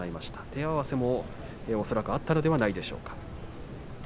手合わせも恐らくあったのではないでしょうか。